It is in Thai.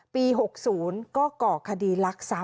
ปี๖๐ก็ก่อคดีลักษัพ